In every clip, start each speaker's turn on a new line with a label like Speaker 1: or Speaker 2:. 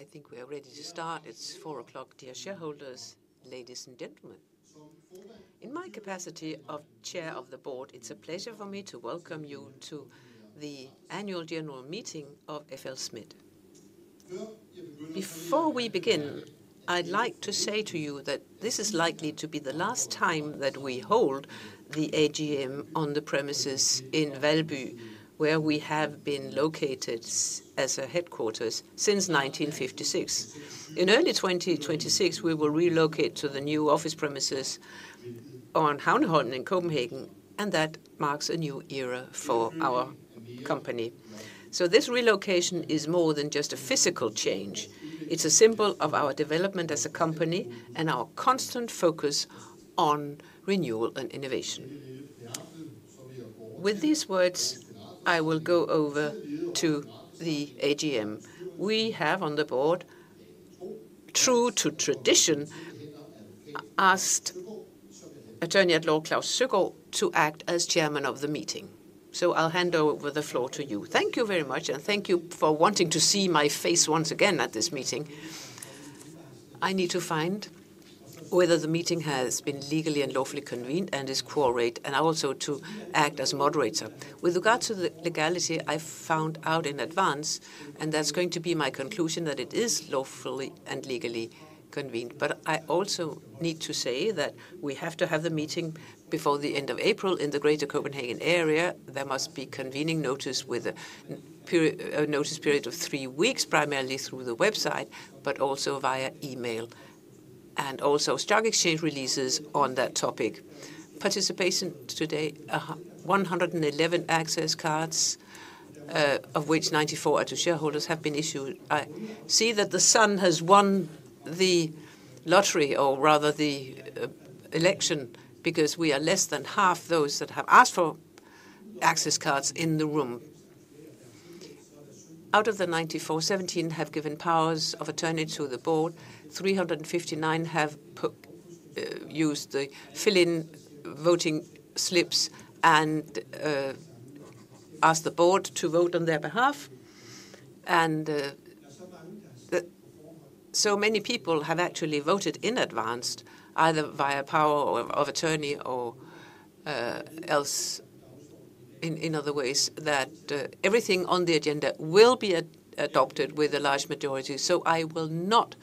Speaker 1: I think we are ready to start. It's 4:00 P.M. Dear shareholders, ladies and gentlemen. In my capacity of Chair of the Board, it's a pleasure for me to welcome you to the annual general meeting of FLSmidth. Before we begin, I'd like to say to you that this is likely to be the last time that we hold the AGM on the premises in Valby, where we have been located as a headquarters since 1956. In early 2026, we will relocate to the new office premises on Havneholmen in Copenhagen, and that marks a new era for our company. This relocation is more than just a physical change. It's a symbol of our development as a company and our constant focus on renewal and innovation. With these words, I will go over to the AGM. We have on the board, true to tradition, asked Attorney at Law Klaus Søgaard to act as Chairman of the meeting. I will hand over the floor to you. Thank you very much, and thank you for wanting to see my face once again at this meeting.
Speaker 2: I need to find whether the meeting has been legally and lawfully convened and is quorate, and also to act as moderator. With regards to the legality, I found out in advance, and that is going to be my conclusion, that it is lawfully and legally convened. I also need to say that we have to have the meeting before the end of April in the greater Copenhagen area. There must be convening notice with a notice period of three weeks, primarily through the website, but also via email and also stock exchange releases on that topic. Participation today: 111 access cards, of which 94 are to shareholders, have been issued. I see that the sun has won the lottery, or rather the election, because we are less than half those that have asked for access cards in the room. Out of the 94, 17 have given powers of attorney to the board. 359 have used the fill-in voting slips and asked the board to vote on their behalf. Many people have actually voted in advance, either via power of attorney or else in other ways, that everything on the agenda will be adopted with a large majority. I will not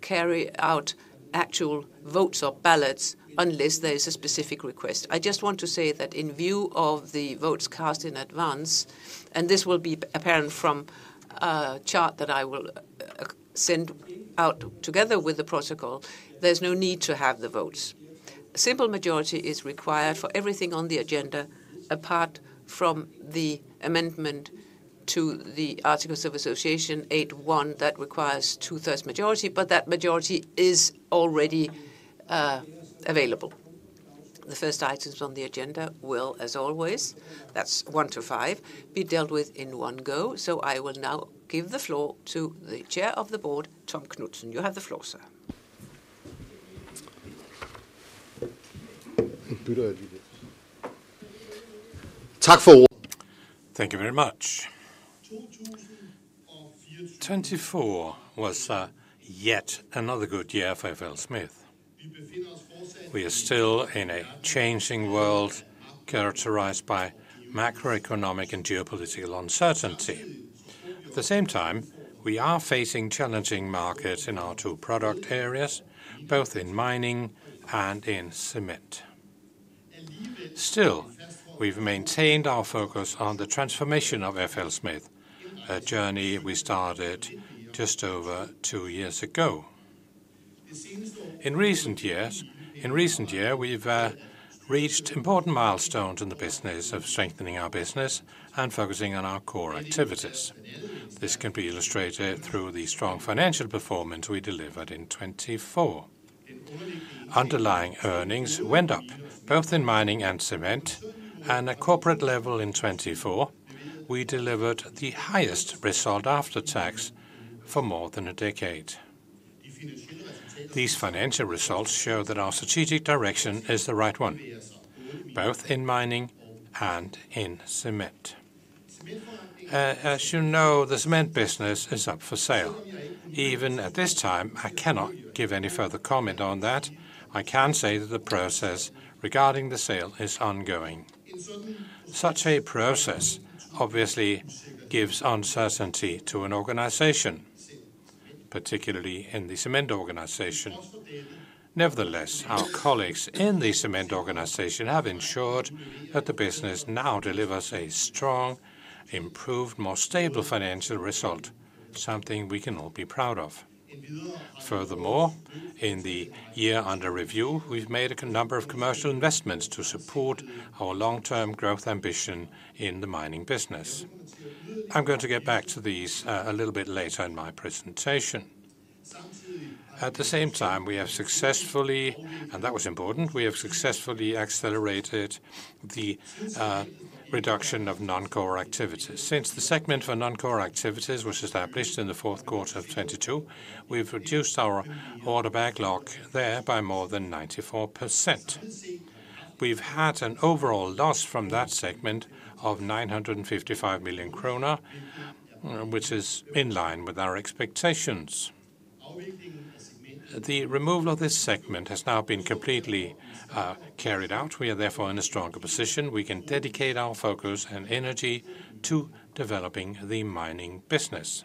Speaker 2: carry out actual votes or ballots unless there is a specific request. I just want to say that in view of the votes cast in advance, and this will be apparent from a chart that I will send out together with the protocol, there is no need to have the votes. A simple majority is required for everything on the agenda, apart from the amendment to the Articles of Association 8.1 that requires a two-thirds majority, but that majority is already available. The first items on the agenda will, as always, that is one to five, be dealt with in one go. I will now give the floor to the Chair of the Board, Tom Knudsen. You have the floor, sir.
Speaker 1: Thank you very much. 2024 was yet another good year for FLSmidth. We are still in a changing world characterized by macroeconomic and geopolitical uncertainty. At the same time, we are facing challenging markets in our two product areas, both in mining and in cement. Still, we've maintained our focus on the transformation of FLSmidth, a journey we started just over two years ago. In recent years, we've reached important milestones in the business of strengthening our business and focusing on our core activities. This can be illustrated through the strong financial performance we delivered in 2024. Underlying earnings went up both in mining and cement, and at corporate level in 2024, we delivered the highest resolved after-tax for more than a decade. These financial results show that our strategic direction is the right one, both in mining and in cement. As you know, the cement business is up for sale. Even at this time, I cannot give any further comment on that. I can say that the process regarding the sale is ongoing. Such a process obviously gives uncertainty to an organization, particularly in the cement organization. Nevertheless, our colleagues in the cement organization have ensured that the business now delivers a strong, improved, more stable financial result, something we can all be proud of. Furthermore, in the year under review, we've made a number of commercial investments to support our long-term growth ambition in the mining business. I'm going to get back to these a little bit later in my presentation. At the same time, we have successfully, and that was important, we have successfully accelerated the reduction of non-core activities. Since the segment for non-core activities was established in the Q4 of 2022, we've reduced our order backlog there by more than 94%. We've had an overall loss from that segment of 955 million kroner, which is in line with our expectations. The removal of this segment has now been completely carried out. We are therefore in a stronger position. We can dedicate our focus and energy to developing the mining business.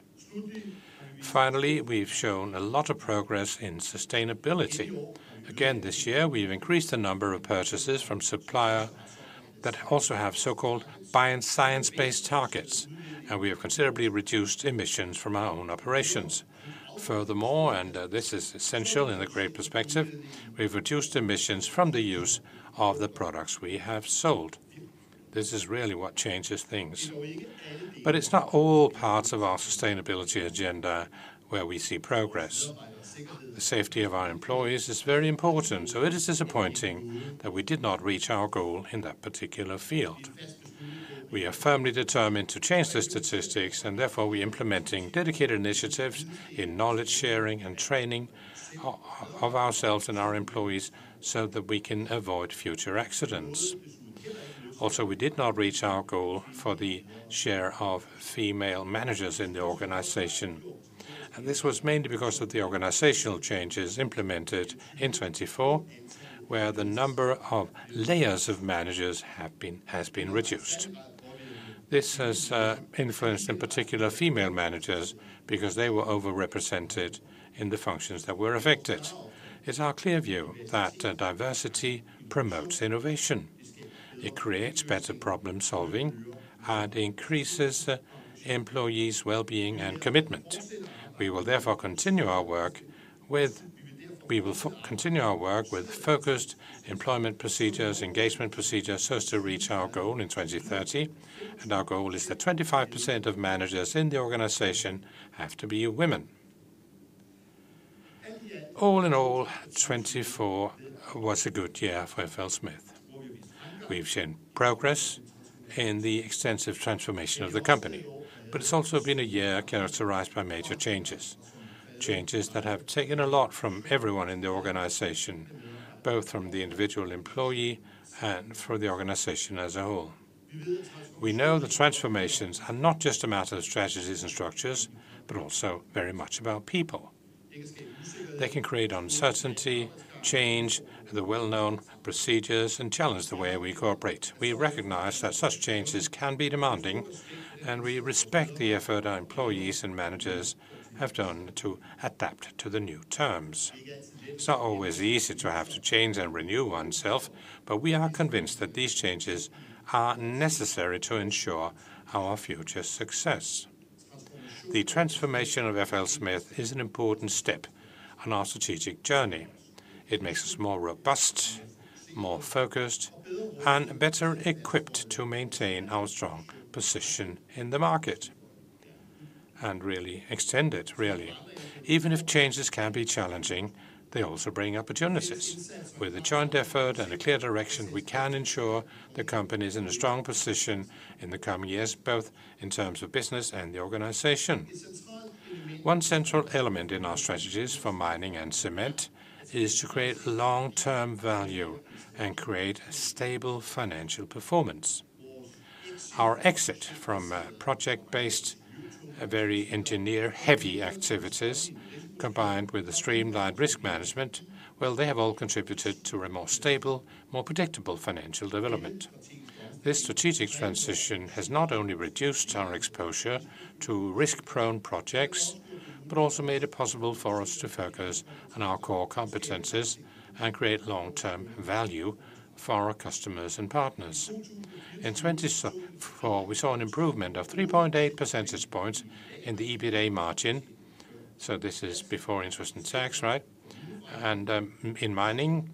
Speaker 1: Finally, we've shown a lot of progress in sustainability. Again, this year, we've increased the number of purchases from suppliers that also have so-called science-based targets, and we have considerably reduced emissions from our own operations. Furthermore, and this is essential in the great perspective, we've reduced emissions from the use of the products we have sold. This is really what changes things. It is not all parts of our sustainability agenda where we see progress. The safety of our employees is very important, so it is disappointing that we did not reach our goal in that particular field. We are firmly determined to change the statistics, and therefore we are implementing dedicated initiatives in knowledge sharing and training of ourselves and our employees so that we can avoid future accidents. Also, we did not reach our goal for the share of female managers in the organization. This was mainly because of the organizational changes implemented in 2024, where the number of layers of managers has been reduced. This has influenced in particular female managers because they were overrepresented in the functions that were affected. It is our clear view that diversity promotes innovation. It creates better problem-solving and increases employees' well-being and commitment. We will therefore continue our work with. We will continue our work with focused employment procedures, engagement procedures, so as to reach our goal in 2030. Our goal is that 25% of managers in the organization have to be women. All in all, 2024 was a good year for FLSmidth. We have seen progress in the extensive transformation of the company, but it has also been a year characterized by major changes, changes that have taken a lot from everyone in the organization, both from the individual employee and for the organization as a whole. We know the transformations are not just a matter of strategies and structures, but also very much about people. They can create uncertainty, change the well-known procedures, and challenge the way we cooperate. We recognize that such changes can be demanding, and we respect the effort our employees and managers have done to adapt to the new terms. It's not always easy to have to change and renew oneself, but we are convinced that these changes are necessary to ensure our future success. The transformation of FLSmidth is an important step on our strategic journey. It makes us more robust, more focused, and better equipped to maintain our strong position in the market and really extend it, really. Even if changes can be challenging, they also bring opportunities. With a joint effort and a clear direction, we can ensure the company is in a strong position in the coming years, both in terms of business and the organization. One central element in our strategies for mining and cement is to create long-term value and create stable financial performance. Our exit from project-based, very engineer-heavy activities, combined with the streamlined risk management, well, they have all contributed to a more stable, more predictable financial development. This strategic transition has not only reduced our exposure to risk-prone projects, but also made it possible for us to focus on our core competencies and create long-term value for our customers and partners. In 2024, we saw an improvement of 3.8 percentage points in the EBITDA margin. This is before interest and tax, right? In mining,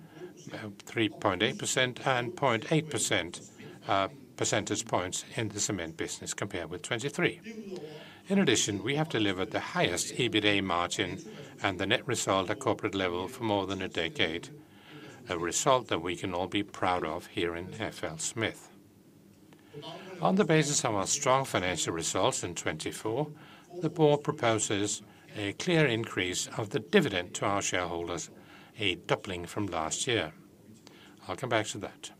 Speaker 1: 3.8% and 0.8 percentage points in the cement business compared with 2023. In addition, we have delivered the highest EBITDA margin and the net result at corporate level for more than a decade, a result that we can all be proud of here in FLSmidth. On the basis of our strong financial results in 2024, the board proposes a clear increase of the dividend to our shareholders, a doubling from last year. I'll come back to that.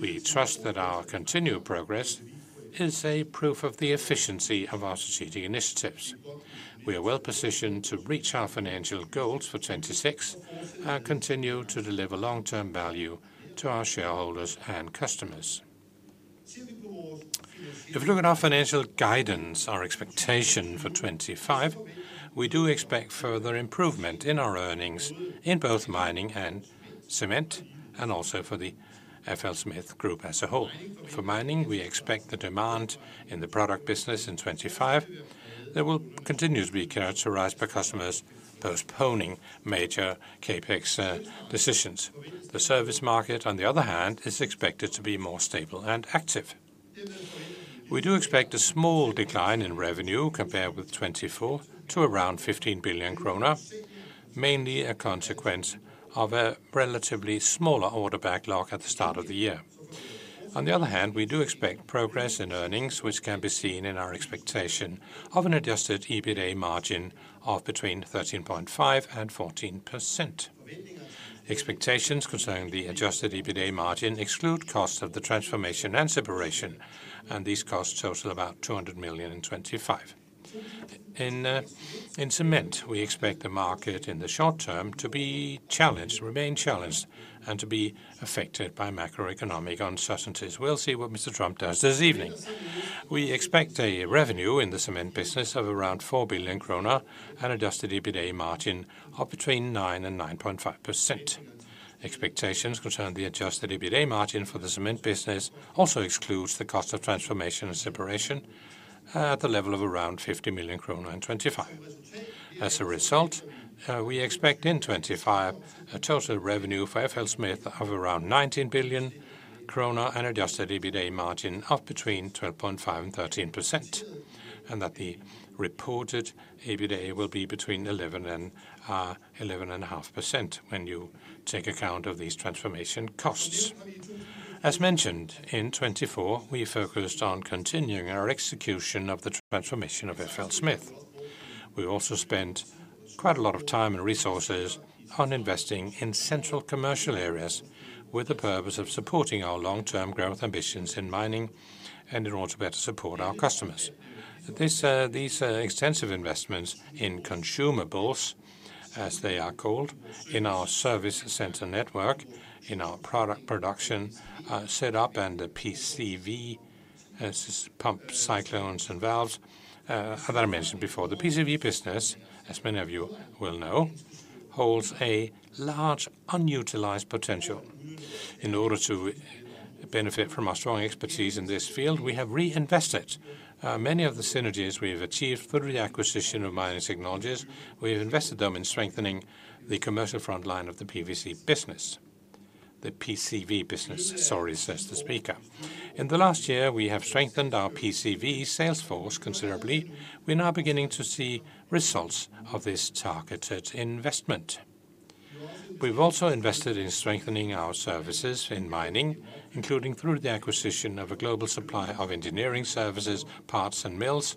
Speaker 1: We trust that our continued progress is a proof of the efficiency of our strategic initiatives. We are well positioned to reach our financial goals for 2026 and continue to deliver long-term value to our shareholders and customers. If we look at our financial guidance, our expectation for 2025, we do expect further improvement in our earnings in both mining and cement, and also for the FLSmidth group as a whole. For mining, we expect the demand in the product business in 2025 that will continuously be characterized by customers postponing major Capex decisions. The service market, on the other hand, is expected to be more stable and active. We do expect a small decline in revenue compared with 2024 to around 15 billion kroner, mainly a consequence of a relatively smaller order backlog at the start of the year. On the other hand, we do expect progress in earnings, which can be seen in our expectation of an adjusted EBITDA margin of between 13.5%-14%. Expectations concerning the adjusted EBITDA margin exclude costs of the transformation and separation, and these costs total about 200 million in 2025. In cement, we expect the market in the short term to be challenged, remain challenged, and to be affected by macroeconomic uncertainties. We'll see what Mr. Trump does this evening. We expect a revenue in the cement business of around 4 billion kroner and adjusted EBITDA margin of between 9%-9.5%. Expectations concerning the adjusted EBITDA margin for the cement business also exclude the cost of transformation and separation at the level of around 50 million krone in 2025. As a result, we expect in 2025 a total revenue for FLSmidth of around 19 billion kroner and adjusted EBITDA margin of between 12.5% and 13%, and that the reported EBITDA will be between 11% and 11.5% when you take account of these transformation costs. As mentioned, in 2024, we focused on continuing our execution of the transformation of FLSmidth. We also spent quite a lot of time and resources on investing in central commercial areas with the purpose of supporting our long-term growth ambitions in mining and in order to better support our customers. These extensive investments in consumables, as they are called, in our service center network, in our product production setup, and the PCV pumps, cyclones, and valves that I mentioned before. The PCV business, as many of you will know, holds a large unutilized potential. In order to benefit from our strong expertise in this field, we have reinvested many of the synergies we have achieved through the acquisition of Mining Technologies. We have invested them in strengthening the commercial front line of the PCV business, sorry, says the speaker. In the last year, we have strengthened our PCV sales force considerably. We're now beginning to see results of this targeted investment. We've also invested in strengthening our services in mining, including through the acquisition of a global supplier of engineering services, parts, and mills.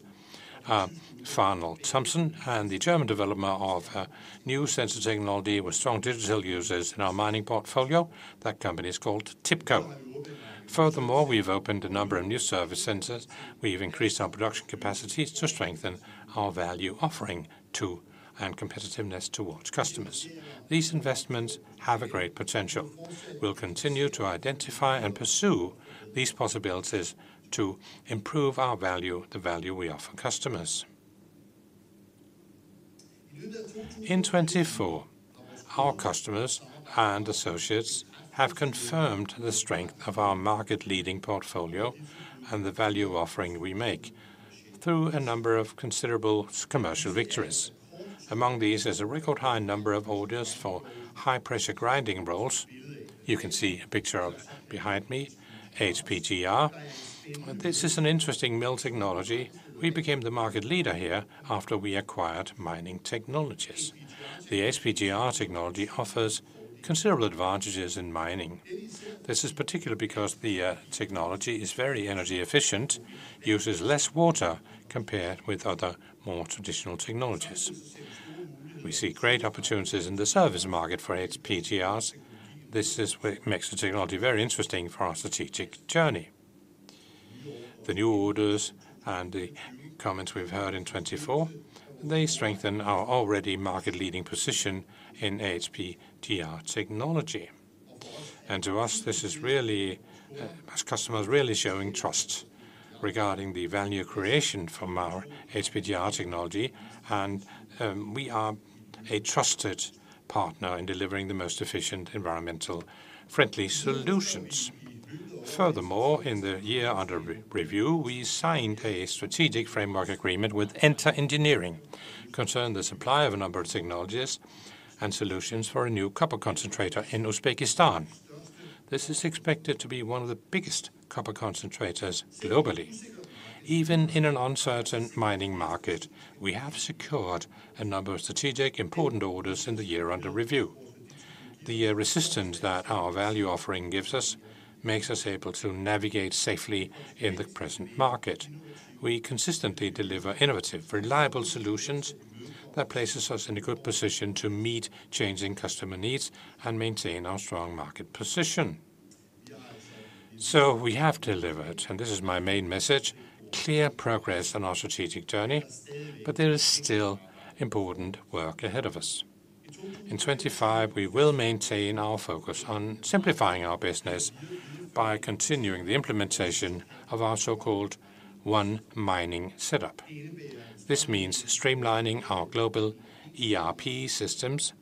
Speaker 1: Farnell Thompson, the German developer of a new sensor technology with strong digital users in our mining portfolio, that company is called TIPCO. Furthermore, we've opened a number of new service centers. We've increased our production capacity to strengthen our value offering to and competitiveness towards customers. These investments have a great potential. We'll continue to identify and pursue these possibilities to improve our value, the value we offer customers. In 2024, our customers and associates have confirmed the strength of our market-leading portfolio and the value offering we make through a number of considerable commercial victories. Among these is a record-high number of orders for high-pressure grinding rolls. You can see a picture of it behind me, HPGR. This is an interesting mill technology. We became the market leader here after we acquired Mining Technologies. The HPGR technology offers considerable advantages in mining. This is particularly because the technology is very energy efficient, uses less water compared with other more traditional technologies. We see great opportunities in the service market for HPGRs. This makes the technology very interesting for our strategic journey. The new orders and the comments we've heard in 2024, they strengthen our already market-leading position in HPGR technology. To us, this is really customers really showing trust regarding the value creation from our HPGR technology, and we are a trusted partner in delivering the most efficient environmental-friendly solutions. Furthermore, in the year under review, we signed a strategic framework agreement with Enter Engineering concerning the supply of a number of technologies and solutions for a new copper concentrator in Uzbekistan. This is expected to be one of the biggest copper concentrators globally. Even in an uncertain mining market, we have secured a number of strategic important orders in the year under review. The resistance that our value offering gives us makes us able to navigate safely in the present market. We consistently deliver innovative, reliable solutions that place us in a good position to meet changing customer needs and maintain our strong market position. We have delivered, and this is my main message, clear progress on our strategic journey, but there is still important work ahead of us. In 2025, we will maintain our focus on simplifying our business by continuing the implementation of our so-called one mining setup. This means streamlining our global ERP systems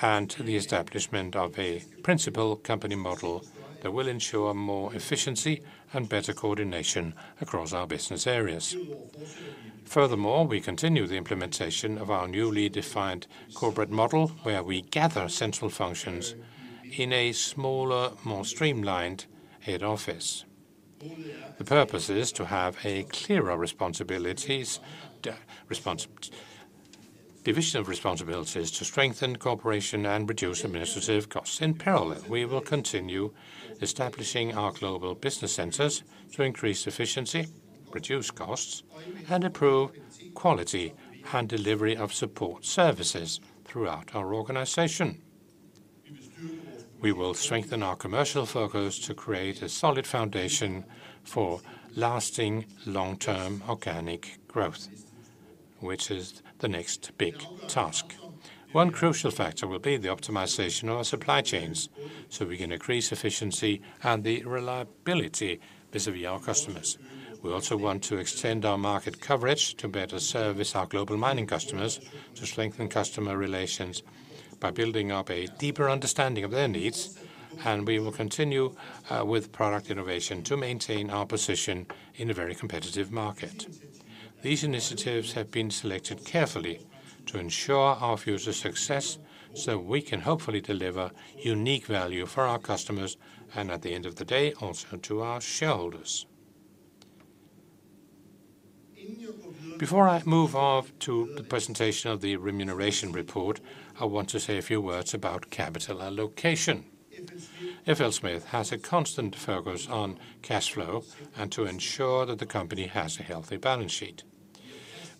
Speaker 1: and the establishment of a principal company model that will ensure more efficiency and better coordination across our business areas. Furthermore, we continue the implementation of our newly defined corporate model where we gather central functions in a smaller, more streamlined head office. The purpose is to have a clearer division of responsibilities to strengthen cooperation and reduce administrative costs. In parallel, we will continue establishing our global business centers to increase efficiency, reduce costs, and improve quality and delivery of support services throughout our organization. We will strengthen our commercial focus to create a solid foundation for lasting long-term organic growth, which is the next big task. One crucial factor will be the optimization of our supply chains so we can increase efficiency and the reliability vis-à-vis our customers. We also want to extend our market coverage to better service our global mining customers, to strengthen customer relations by building up a deeper understanding of their needs, and we will continue with product innovation to maintain our position in a very competitive market. These initiatives have been selected carefully to ensure our future success so we can hopefully deliver unique value for our customers and, at the end of the day, also to our shareholders. Before I move on to the presentation of the remuneration report, I want to say a few words about capital allocation. FLSmidth has a constant focus on cash flow and to ensure that the company has a healthy balance sheet.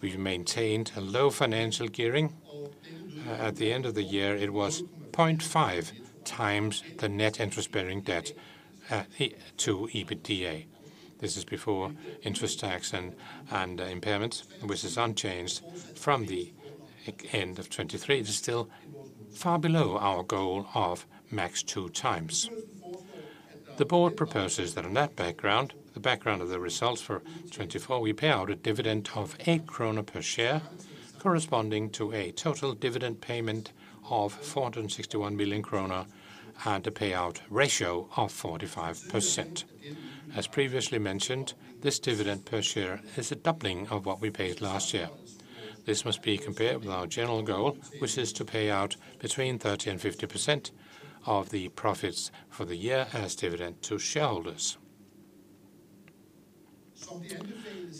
Speaker 1: We've maintained a low financial gearing. At the end of the year, it was 0.5 times the net interest-bearing debt to EBITDA. This is before interest, tax, and impairments, which is unchanged from the end of 2023. It is still far below our goal of max two times. The board proposes that on that background, the background of the results for 2024, we pay out a dividend of 8 krone per share, corresponding to a total dividend payment of 461 million krone and a payout ratio of 45%. As previously mentioned, this dividend per share is a doubling of what we paid last year. This must be compared with our general goal, which is to pay out between 30% and 50% of the profits for the year as dividend to shareholders.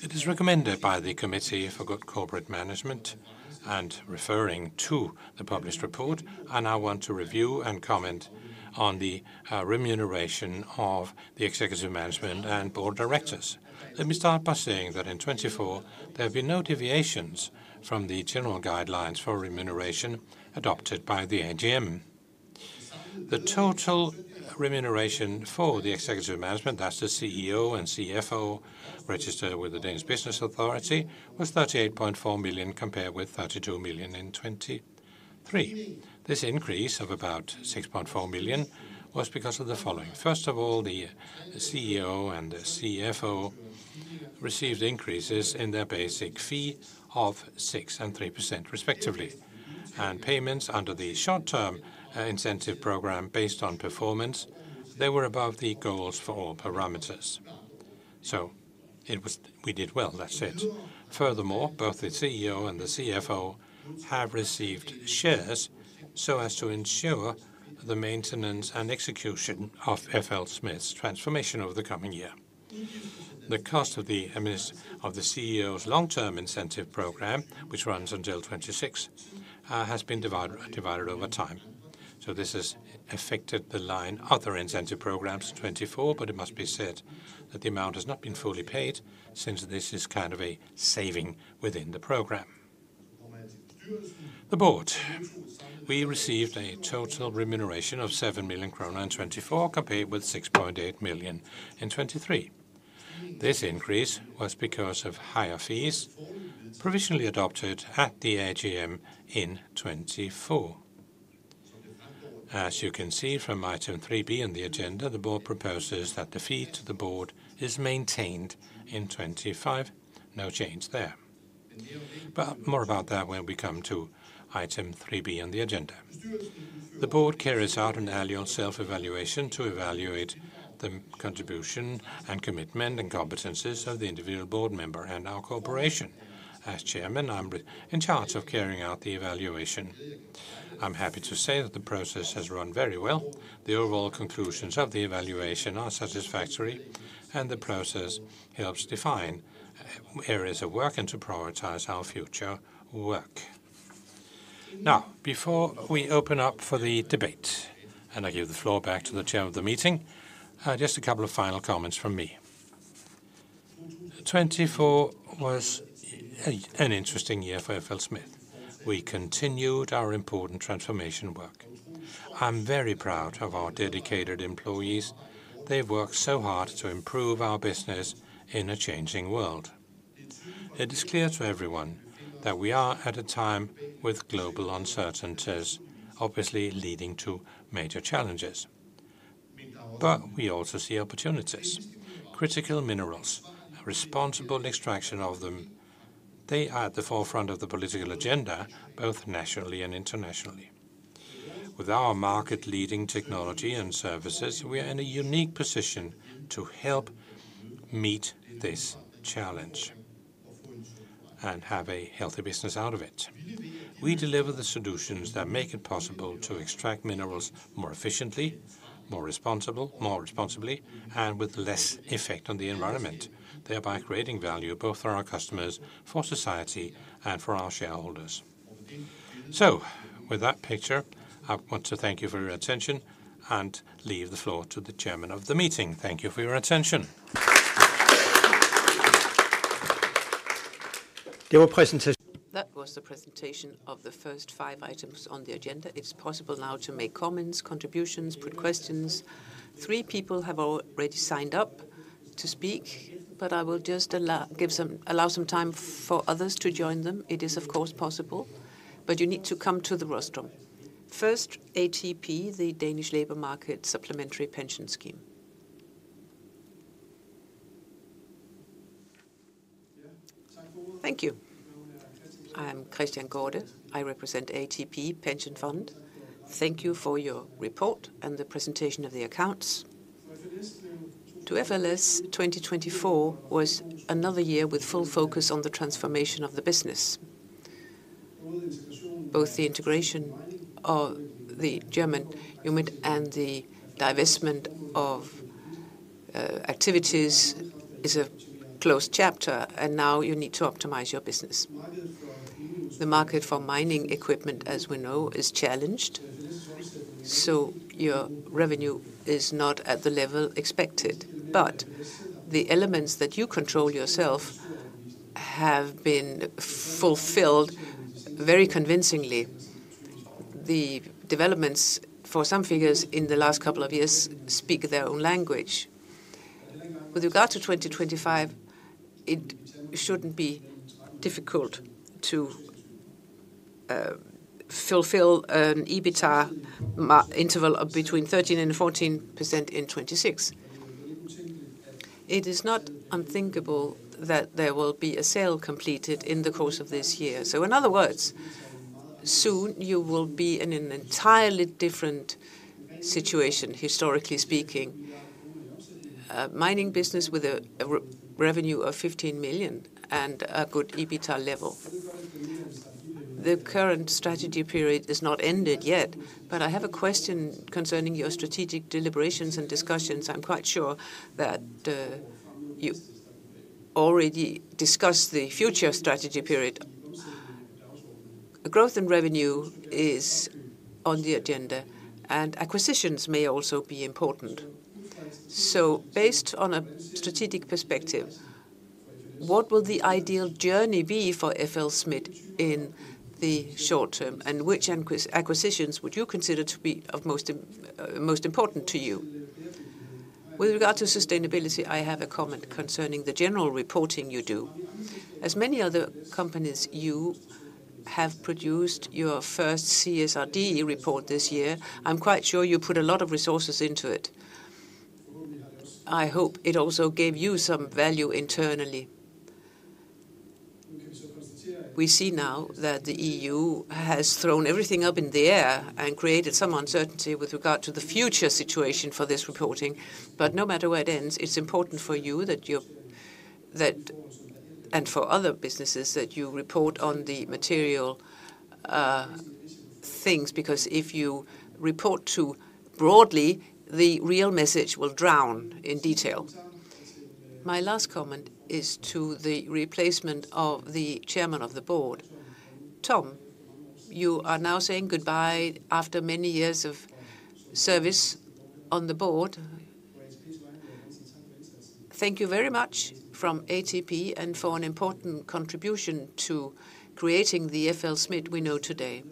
Speaker 1: It is recommended by the Committee for Good Corporate Management and referring to the published report, and I want to review and comment on the remuneration of the executive management and board directors. Let me start by saying that in 2024, there have been no deviations from the general guidelines for remuneration adopted by the AGM. The total remuneration for the executive management, that's the CEO and CFO registered with the Danish Business Authority, was 38.4 million compared with 32 million in 2023. This increase of about 6.4 million was because of the following. First of all, the CEO and the CFO received increases in their basic fee of 6% and 3% respectively, and payments under the short-term incentive program based on performance, they were above the goals for all parameters. We did well, that's it. Furthermore, both the CEO and the CFO have received shares so as to ensure the maintenance and execution of FLSmidth's transformation over the coming year. The cost of the CEO's long-term incentive program, which runs until 2026, has been divided over time. This has affected the line of their incentive programs in 2024, but it must be said that the amount has not been fully paid since this is kind of a saving within the program. The board, we received a total remuneration of 7 million krone in 2024, compared with 6.8 million in 2023. This increase was because of higher fees provisionally adopted at the AGM in 2024. As you can see from item 3B on the agenda, the board proposes that the fee to the board is maintained in 2025. No change there. More about that when we come to item 3B on the agenda. The board carries out an early-on self-evaluation to evaluate the contribution and commitment and competencies of the individual board member and our corporation. As Chairman, I'm in charge of carrying out the evaluation. I'm happy to say that the process has run very well. The overall conclusions of the evaluation are satisfactory, and the process helps define areas of work and to prioritize our future work. Now, before we open up for the debate, and I give the floor back to the chair of the meeting, just a couple of final comments from me. 2024 was an interesting year for FLSmidth. We continued our important transformation work. I'm very proud of our dedicated employees. They've worked so hard to improve our business in a changing world. It is clear to everyone that we are at a time with global uncertainties, obviously leading to major challenges. We also see opportunities. Critical minerals, responsible extraction of them, they are at the forefront of the political agenda, both nationally and internationally. With our market-leading technology and services, we are in a unique position to help meet this challenge and have a healthy business out of it. We deliver the solutions that make it possible to extract minerals more efficiently, more responsibly, and with less effect on the environment, thereby creating value both for our customers, for society, and for our shareholders. With that picture, I want to thank you for your attention and leave the floor to the chairman of the meeting. Thank you for your attention.
Speaker 2: That was the presentation of the first five items on the agenda. It's possible now to make comments, contributions, put questions. Three people have already signed up to speak, but I will just allow some time for others to join them. It is, of course, possible, but you need to come to the rostrum. First, ATP, the Danish Labor Market Supplementary Pension Scheme.
Speaker 3: Thank you. I'm Christian Korte. I represent ATP Pension Fund. Thank you for your report and the presentation of the accounts. To FLSmidth, 2024 was another year with full focus on the transformation of the business. Both the integration of the German unit and the divestment of activities is a closed chapter, and now you need to optimize your business. The market for mining equipment, as we know, is challenged, so your revenue is not at the level expected. The elements that you control yourself have been fulfilled very convincingly. The developments for some figures in the last couple of years speak their own language. With regard to 2025, it shouldn't be difficult to fulfill an EBITDA interval of between 13% and 14% in 2026. It is not unthinkable that there will be a sale completed in the course of this year. In other words, soon you will be in an entirely different situation, historically speaking. Mining business with a revenue of 15 million and a good EBITDA level. The current strategy period is not ended yet, but I have a question concerning your strategic deliberations and discussions. I'm quite sure that you already discussed the future strategy period. Growth in revenue is on the agenda, and acquisitions may also be important. Based on a strategic perspective, what will the ideal journey be for FLSmidth in the short term, and which acquisitions would you consider to be most important to you? With regard to sustainability, I have a comment concerning the general reporting you do. As many other companies, you have produced your first CSRD report this year. I'm quite sure you put a lot of resources into it. I hope it also gave you some value internally. We see now that the EU has thrown everything up in the air and created some uncertainty with regard to the future situation for this reporting. No matter where it ends, it's important for you and for other businesses that you report on the material things, because if you report too broadly, the real message will drown in detail. My last comment is to the replacement of the Chairman of the Board. Tom, you are now saying goodbye after many years of service on the board. Thank you very much from ATP and for an important contribution to creating the FLSmidth we know today.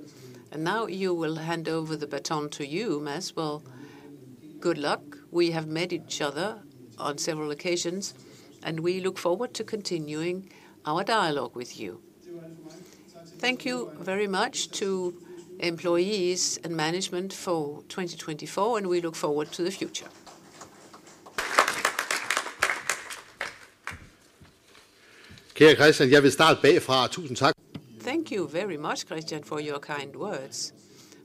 Speaker 3: Now you will hand over the baton to you, Ms. Well. Good luck. We have met each other on several occasions, and we look forward to continuing our dialogue with you. Thank you very much to employees and management for 2024, and we look forward to the future.
Speaker 1: Kære Christian, jeg vil starte bagfra. Tusind tak.
Speaker 2: Thank you very much, Christian, for your kind words.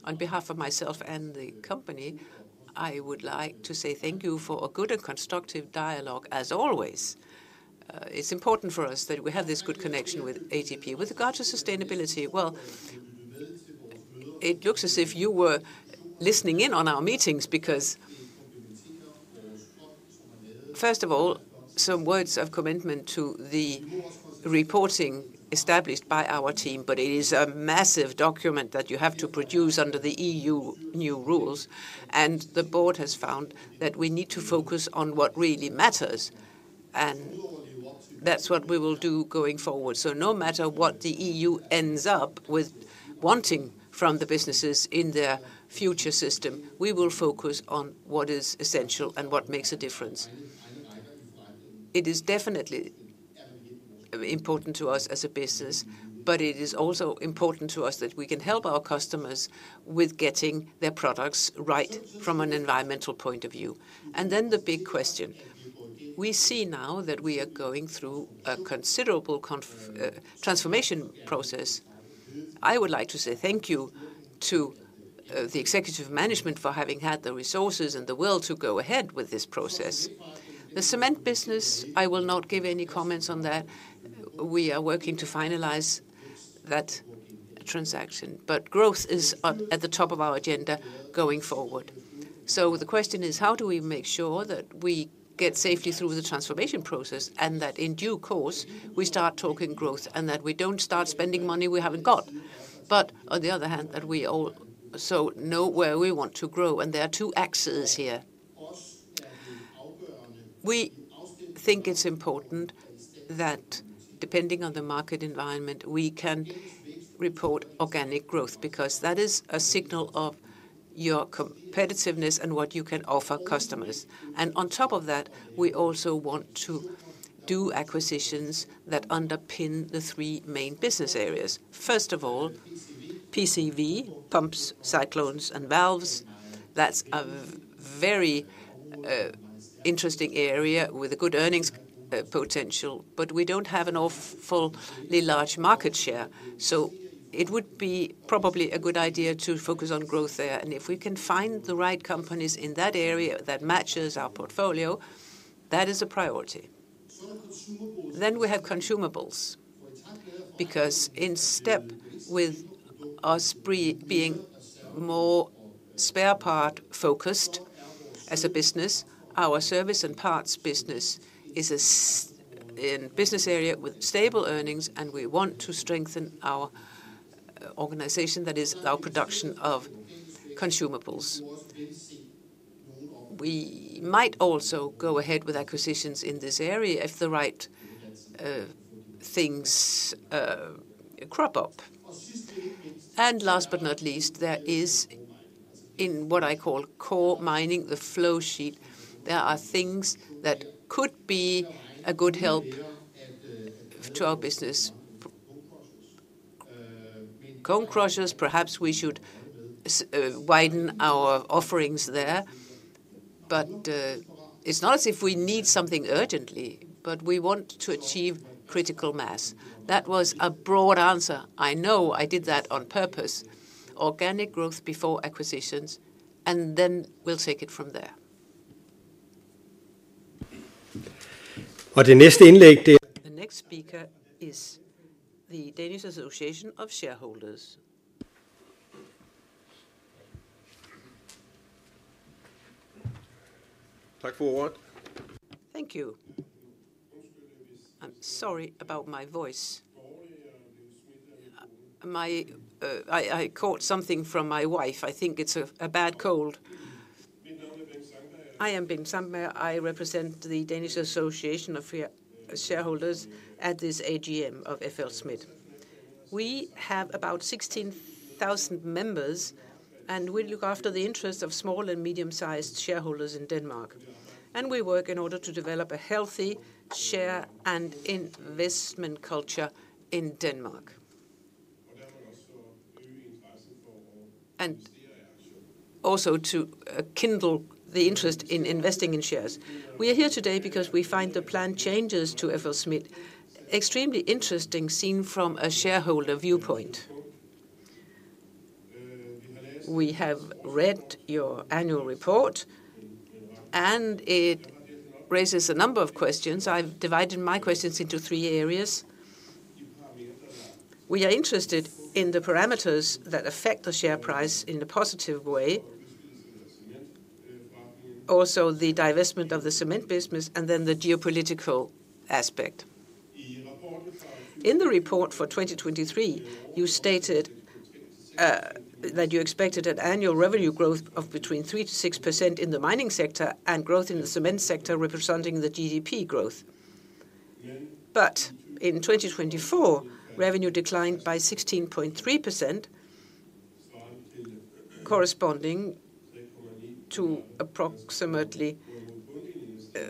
Speaker 2: On behalf of myself and the company, I would like to say thank you for a good and constructive dialogue, as always. It's important for us that we have this good connection with ATP. With regard to sustainability, it looks as if you were listening in on our meetings, because first of all, some words of commitment to the reporting established by our team, but it is a massive document that you have to produce under the EU new rules, and the board has found that we need to focus on what really matters, and that is what we will do going forward. No matter what the EU ends up with wanting from the businesses in their future system, we will focus on what is essential and what makes a difference. It is definitely important to us as a business, but it is also important to us that we can help our customers with getting their products right from an environmental point of view. The big question, we see now that we are going through a considerable transformation process. I would like to say thank you to the executive management for having had the resources and the will to go ahead with this process. The cement business, I will not give any comments on that. We are working to finalize that transaction. Growth is at the top of our agenda going forward. The question is, how do we make sure that we get safely through the transformation process and that in due course, we start talking growth and that we do not start spending money we have not got, but on the other hand, that we also know where we want to grow. There are two axes here. We think it is important that depending on the market environment, we can report organic growth, because that is a signal of your competitiveness and what you can offer customers. On top of that, we also want to do acquisitions that underpin the three main business areas. First of all, PCV, pumps, cyclones, and valves. That is a very interesting area with a good earnings potential, but we do not have an awfully large market share. It would probably be a good idea to focus on growth there. If we can find the right companies in that area that match our portfolio, that is a priority. We have consumables, because in step with us being more spare part focused as a business, our service and parts business is a business area with stable earnings, and we want to strengthen our organization, that is our production of consumables. We might also go ahead with acquisitions in this area if the right things crop up. Last but not least, there is, in what I call core mining, the flow sheet, there are things that could be a good help to our business. Cone crushers, perhaps we should widen our offerings there, but it's not as if we need something urgently, but we want to achieve critical mass. That was a broad answer. I know I did that on purpose. Organic growth before acquisitions, and then we'll take it from there.
Speaker 3: Og det næste indlæg.
Speaker 2: The next speaker is the Danish Association of Shareholders.
Speaker 1: Tak for ordet.
Speaker 4: Thank you. I'm sorry about my voice. I caught something from my wife. I think it's a bad cold. I am Ben Zammer. I represent the Danish Association of Shareholders at this AGM of FLSmidth. We have about 16,000 members, and we look after the interests of small and medium-sized shareholders in Denmark. We work in order to develop a healthy share and investment culture in Denmark. We also kindle the interest in investing in shares. We are here today because we find the planned changes to FLSmidth extremely interesting seen from a shareholder viewpoint. We have read your annual report, and it raises a number of questions. I have divided my questions into three areas. We are interested in the parameters that affect the share price in a positive way, also the divestment of the cement business, and then the geopolitical aspect. In the report for 2023, you stated that you expected an annual revenue growth of between 3%-6% in the mining sector and growth in the cement sector representing the GDP growth. In 2024, revenue declined by 16.3%, corresponding to approximately,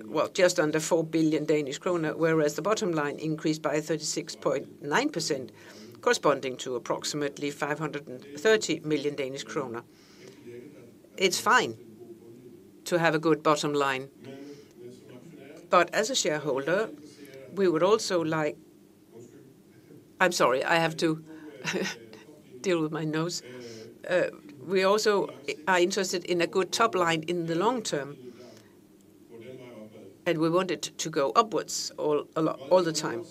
Speaker 4: well, just under 4 billion Danish kroner, whereas the bottom line increased by 36.9%, corresponding to approximately 530 million Danish kroner. It's fine to have a good bottom line. As a shareholder, we would also like, I'm sorry, I have to deal with my nose. We also are interested in a good top line in the long term, and we want it to go upwards all the time.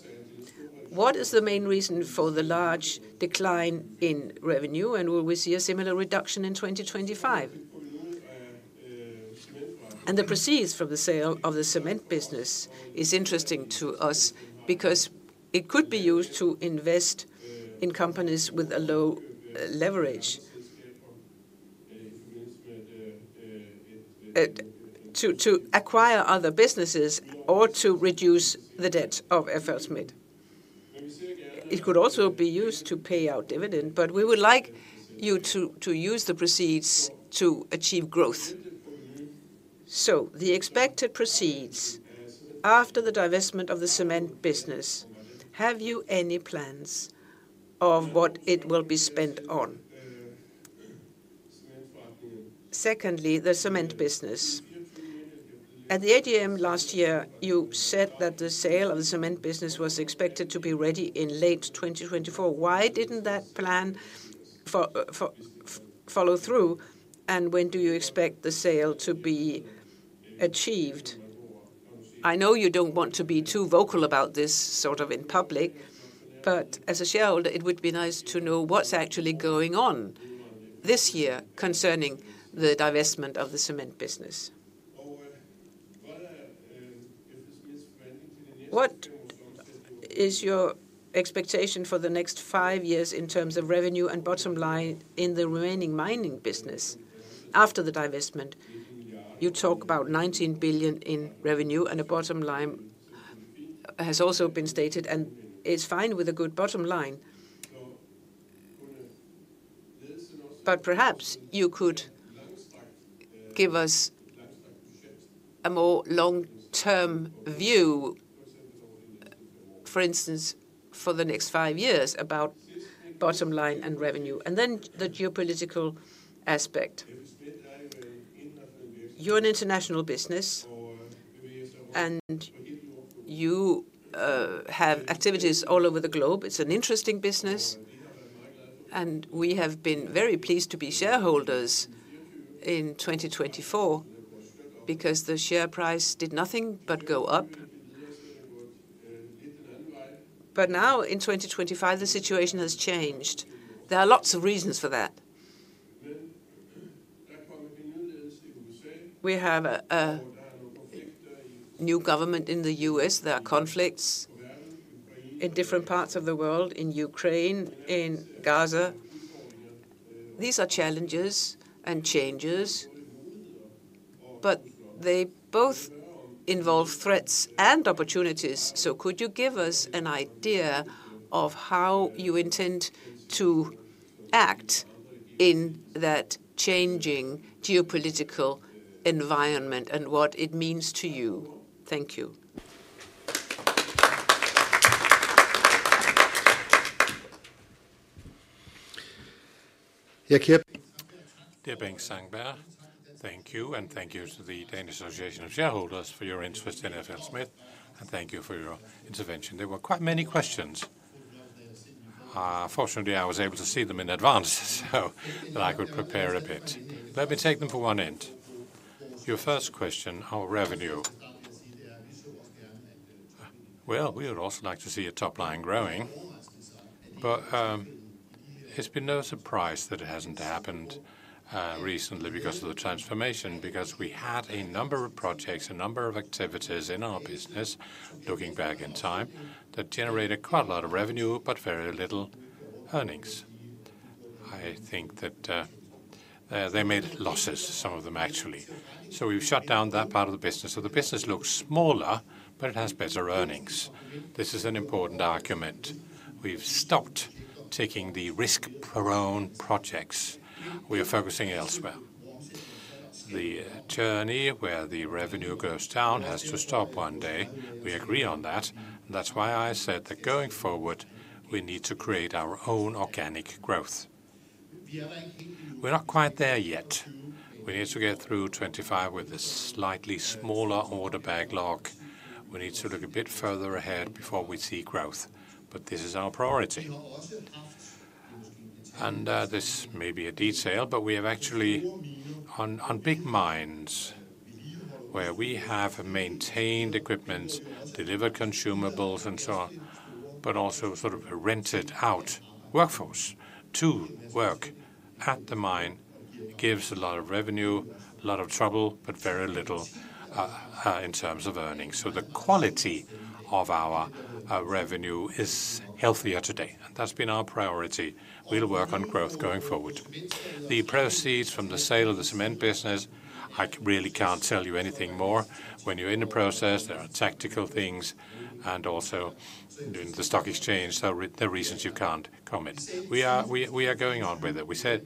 Speaker 4: What is the main reason for the large decline in revenue, and will we see a similar reduction in 2025? The proceeds from the sale of the cement business is interesting to us because it could be used to invest in companies with a low leverage, to acquire other businesses, or to reduce the debt of FLSmidth. It could also be used to pay out dividend, but we would like you to use the proceeds to achieve growth. The expected proceeds after the divestment of the cement business, have you any plans of what it will be spent on? Secondly, the cement business. At the AGM last year, you said that the sale of the cement business was expected to be ready in late 2024. Why didn't that plan follow through, and when do you expect the sale to be achieved? I know you don't want to be too vocal about this sort of in public, but as a shareholder, it would be nice to know what's actually going on this year concerning the divestment of the cement business. What is your expectation for the next five years in terms of revenue and bottom line in the remaining mining business after the divestment? You talk about 19 billion in revenue, and a bottom line has also been stated, and it's fine with a good bottom line. Perhaps you could give us a more long-term view, for instance, for the next five years about bottom line and revenue, and then the geopolitical aspect. You're an international business, and you have activities all over the globe. It's an interesting business, and we have been very pleased to be shareholders in 2024 because the share price did nothing but go up. Now, in 2025, the situation has changed. There are lots of reasons for that. We have a new government in the U.S., there are conflicts in different parts of the world, in Ukraine, in Gaza. These are challenges and changes, but they both involve threats and opportunities. Could you give us an idea of how you intend to act in that changing geopolitical environment and what it means to you? Thank you.
Speaker 1: Dear Ben Zammer, thank you, and thank you to the Danish Association of Shareholders for your interest in FLSmidth, and thank you for your intervention. There were quite many questions. Fortunately, I was able to see them in advance so that I could prepare a bit. Let me take them from one end. Your first question, our revenue. We would also like to see a top line growing, but it's been no surprise that it hasn't happened recently because of the transformation, because we had a number of projects, a number of activities in our business looking back in time that generated quite a lot of revenue, but very little earnings. I think that they made losses, some of them actually. We have shut down that part of the business. The business looks smaller, but it has better earnings. This is an important argument. We have stopped taking the risk-prone projects. We are focusing elsewhere. The journey where the revenue goes down has to stop one day. We agree on that. That is why I said that going forward, we need to create our own organic growth. We are not quite there yet. We need to get through 2025 with a slightly smaller order backlog. We need to look a bit further ahead before we see growth, but this is our priority. This may be a detail, but we have actually, on big mines where we have maintained equipment, delivered consumables and so on, but also sort of rented out workforce to work at the mine, which gives a lot of revenue, a lot of trouble, but very little in terms of earnings. The quality of our revenue is healthier today, and that's been our priority. We'll work on growth going forward. The proceeds from the sale of the cement business, I really can't tell you anything more. When you're in the process, there are tactical things and also in the stock exchange, there are reasons you can't commit. We are going on with it. We said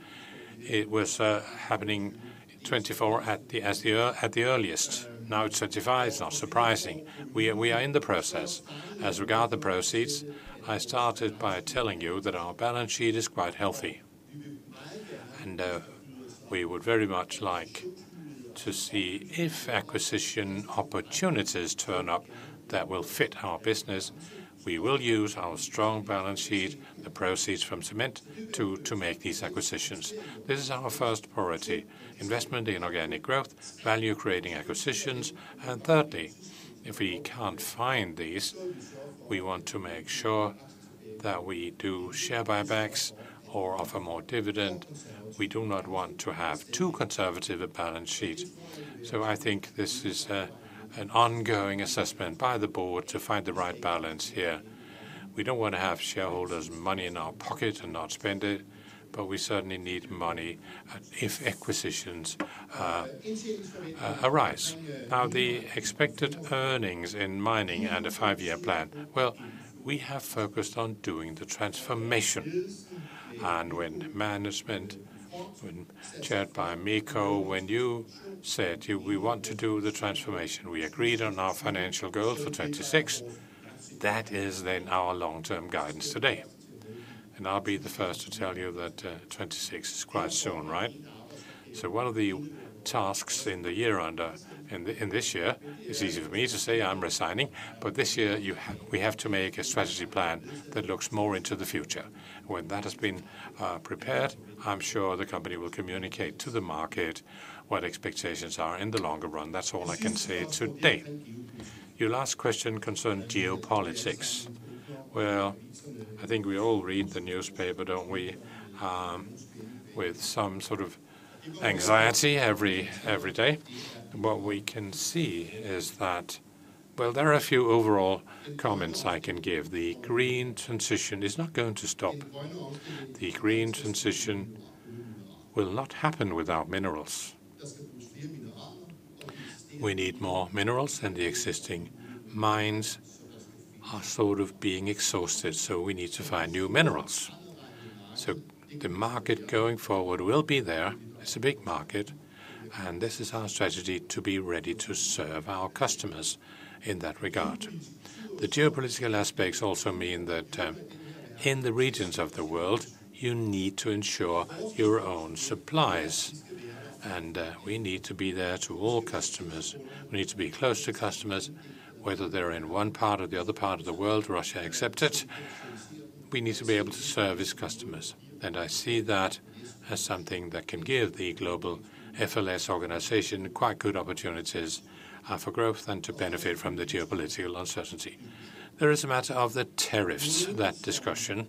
Speaker 1: it was happening 2024 at the earliest. Now it's 2025, it's not surprising. We are in the process. As regard the proceeds, I started by telling you that our balance sheet is quite healthy, and we would very much like to see if acquisition opportunities turn up that will fit our business. We will use our strong balance sheet, the proceeds from cement to make these acquisitions. This is our first priority: investment in organic growth, value-creating acquisitions. Thirdly, if we can't find these, we want to make sure that we do share buybacks or offer more dividend. We do not want to have too conservative a balance sheet. I think this is an ongoing assessment by the board to find the right balance here. We don't want to have shareholders' money in our pocket and not spend it, but we certainly need money if acquisitions arise. Now, the expected earnings in mining and a five-year plan, we have focused on doing the transformation. When management, when chaired by Mikko, when you said we want to do the transformation, we agreed on our financial goal for 2026, that is then our long-term guidance today. I'll be the first to tell you that 2026 is quite soon, right? One of the tasks in the year under in this year is easy for me to say I'm resigning, but this year we have to make a strategy plan that looks more into the future. When that has been prepared, I'm sure the company will communicate to the market what expectations are in the longer run. That's all I can say today. Your last question concerned geopolitics. I think we all read the newspaper, don't we, with some sort of anxiety every day? What we can see is that, there are a few overall comments I can give. The green transition is not going to stop. The green transition will not happen without minerals. We need more minerals, and the existing mines are sort of being exhausted, so we need to find new minerals. The market going forward will be there. It's a big market, and this is our strategy to be ready to serve our customers in that regard. The geopolitical aspects also mean that in the regions of the world, you need to ensure your own supplies, and we need to be there to all customers. We need to be close to customers, whether they're in one part or the other part of the world, Russia excepted. We need to be able to service customers. I see that as something that can give the global FLSmidth organization quite good opportunities for growth and to benefit from the geopolitical uncertainty. There is a matter of the tariffs, that discussion.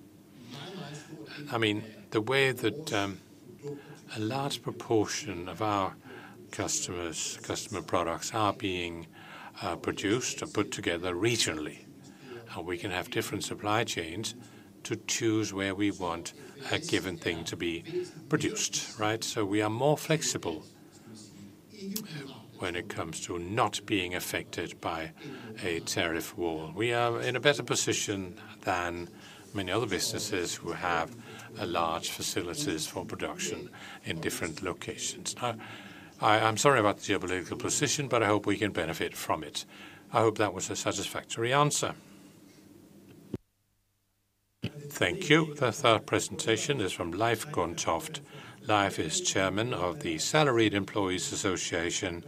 Speaker 1: I mean, the way that a large proportion of our customers, customer products are being produced or put together regionally, and we can have different supply chains to choose where we want a given thing to be produced, right? We are more flexible when it comes to not being affected by a tariff wall. We are in a better position than many other businesses who have large facilities for production in different locations. I'm sorry about the geopolitical position, but I hope we can benefit from it. I hope that was a satisfactory answer. Thank you. The third presentation is from Leif Gonthoft. Leif is Chairman of the Salaried Employees Association,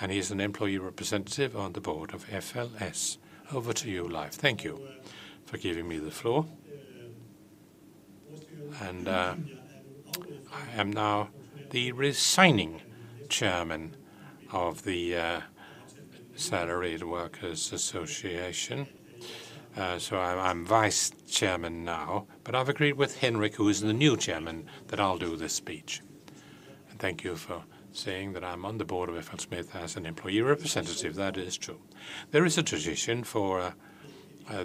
Speaker 1: and he is an employee representative on the board of FLSmidth. Over to you, Leif.
Speaker 5: Thank you for giving me the floor. I am now the resigning Chairman of the Salaried Employees Association. I'm Vice Chairman now, but I've agreed with Henrik, who is the new Chairman, that I'll do this speech. Thank you for saying that I'm on the board of FLSmidth as an employee representative. That is true. There is a tradition for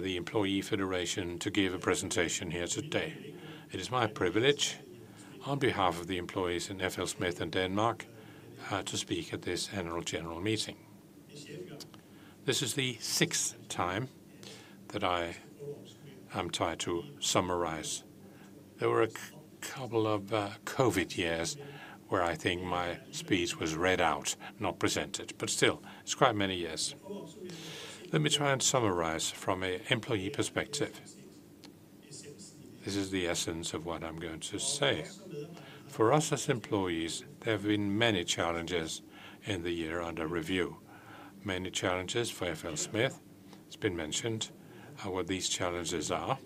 Speaker 5: the Employee Federation to give a presentation here today. It is my privilege on behalf of the employees in FLSmidth and Denmark to speak at this General Meeting. This is the sixth time that I am trying to summarize. There were a couple of COVID years where I think my speech was read out, not presented, but still, it's quite many years. Let me try and summarize from an employee perspective. This is the essence of what I'm going to say. For us as employees, there have been many challenges in the year under review. Many challenges for FLSmidth. It's been mentioned what these challenges are.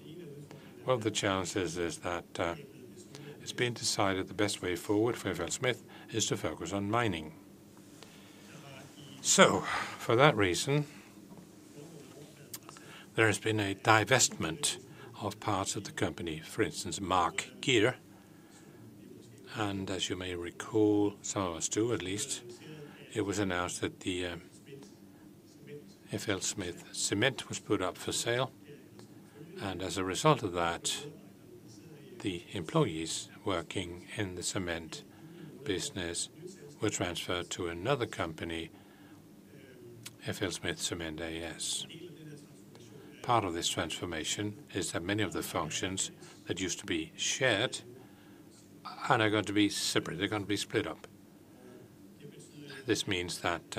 Speaker 5: One of the challenges is that it's been decided the best way forward for FLSmidth is to focus on mining. For that reason, there has been a divestment of parts of the company, for instance, MAAG Gears. As you may recall, some of us do at least, it was announced that FLSmidth cement was put up for sale. As a result of that, the employees working in the cement business were transferred to another company, FLSmidth Cement AS. Part of this transformation is that many of the functions that used to be shared are now going to be separate. They're going to be split up. This means that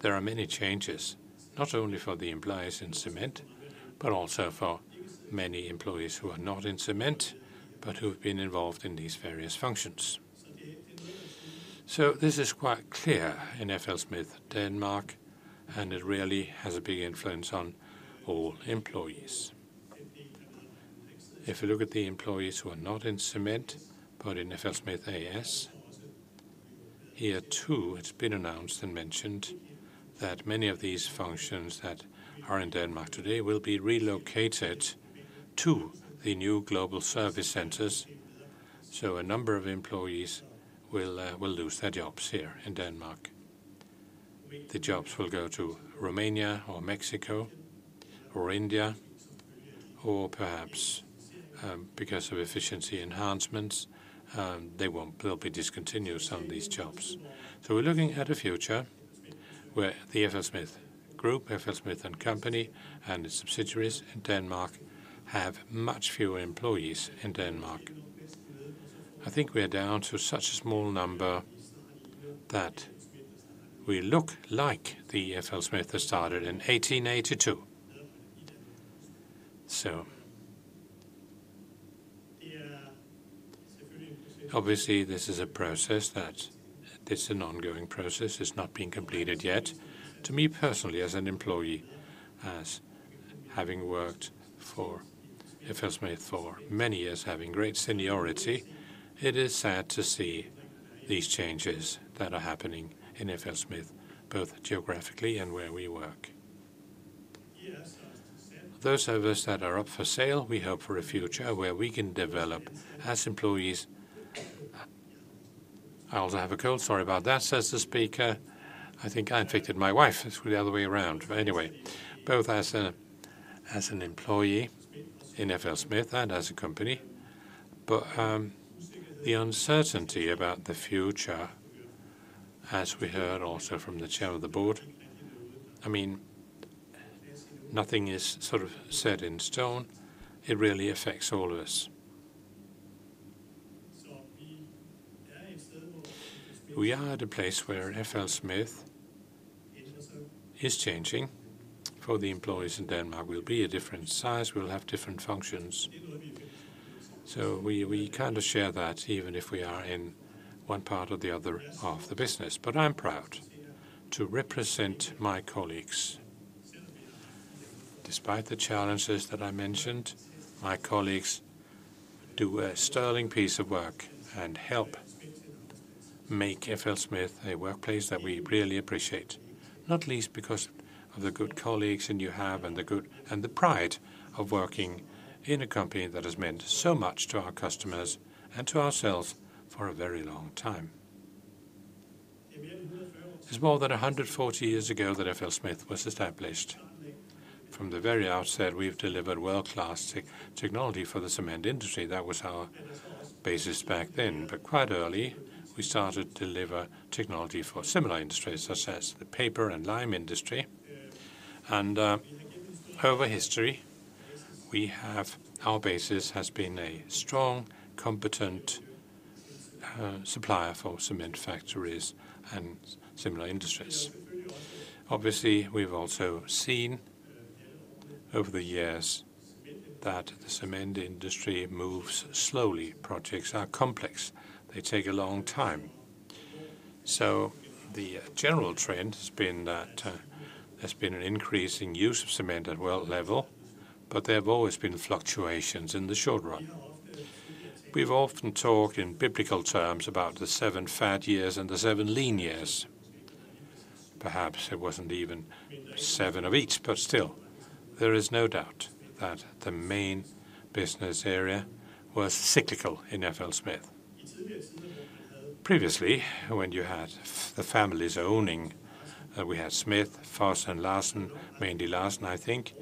Speaker 5: there are many changes, not only for the employees in cement, but also for many employees who are not in cement, but who have been involved in these various functions. This is quite clear in FLSmidth Denmark, and it really has a big influence on all employees. If you look at the employees who are not in cement, but in FLSmidth AS, here too, it's been announced and mentioned that many of these functions that are in Denmark today will be relocated to the new global service centers. A number of employees will lose their jobs here in Denmark. The jobs will go to Romania or Mexico or India, or perhaps because of efficiency enhancements, they won't be discontinued, some of these jobs. We're looking at a future where the FLSmidth Group, FLSmidth & Co., and its subsidiaries in Denmark have much fewer employees in Denmark. I think we are down to such a small number that we look like the FLSmidth that started in 1882. Obviously, this is a process that is an ongoing process. It's not been completed yet. To me personally, as an employee, as having worked for FLSmidth for many years, having great seniority, it is sad to see these changes that are happening in FLSmidth, both geographically and where we work. Those of us that are up for sale, we hope for a future where we can develop as employees. I also have a cold, sorry about that, says the speaker. I think I infected my wife. It's the other way around. Anyway, both as an employee in FLSmidth and as a company. The uncertainty about the future, as we heard also from the Chair of the Board, I mean, nothing is sort of set in stone. It really affects all of us. We are at a place where FLSmidth is changing for the employees in Denmark. We'll be a different size. We'll have different functions. We kind of share that even if we are in one part or the other of the business. I'm proud to represent my colleagues. Despite the challenges that I mentioned, my colleagues do a sterling piece of work and help make FLSmidth a workplace that we really appreciate, not least because of the good colleagues you have and the pride of working in a company that has meant so much to our customers and to ourselves for a very long time. It is more than 140 years ago that FLSmidth was established. From the very outset, we have delivered world-class technology for the cement industry. That was our basis back then. Quite early, we started to deliver technology for similar industries, such as the paper and lime industry. Over history, our basis has been a strong, competent supplier for cement factories and similar industries. Obviously, we've also seen over the years that the cement industry moves slowly. Projects are complex. They take a long time. The general trend has been that there's been an increase in use of cement at world level, but there have always been fluctuations in the short run. We've often talked in biblical terms about the seven fat years and the seven lean years. Perhaps it wasn't even seven of each, but still, there is no doubt that the main business area was cyclical in FLSmidth. Previously, when you had the families owning, we had Smith, Foss, and Larsen, mainly Larsen, I think,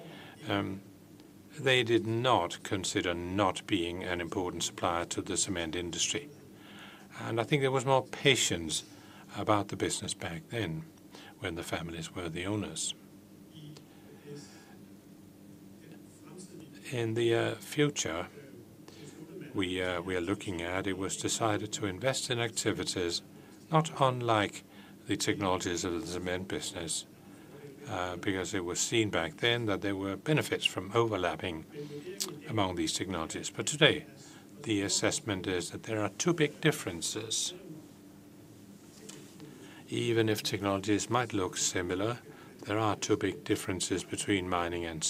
Speaker 5: they did not consider not being an important supplier to the cement industry. I think there was more patience about the business back then when the families were the owners. In the future, we are looking at, it was decided to invest in activities not unlike the technologies of the cement business, because it was seen back then that there were benefits from overlapping among these technologies. Today, the assessment is that there are two big differences. Even if technologies might look similar, there are two big differences between mining and